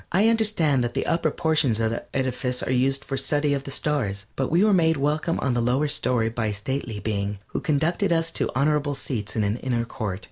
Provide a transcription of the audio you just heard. I understand that the upper portions of the edifice are used for study of the Stars, but we were made welcome on the lower story by a stately being, who conducted us to honorable seats in an inner court.